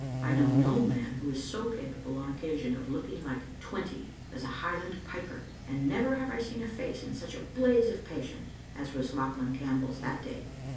I know no man who is so capable on occasion of looking like twenty as a Highland piper, and never have I seen a face in such a blaze of passion as was Lauchlan Campbell's that day.